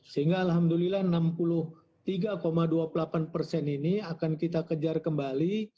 sehingga alhamdulillah enam puluh tiga dua puluh delapan persen ini akan kita kejar kembali